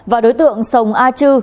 và đối tượng sồng a chư